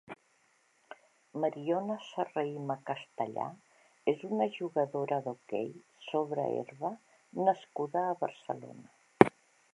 Mariona Serrahima Castellà és una jugadora d'hoquei sobre herba nascuda a Barcelona.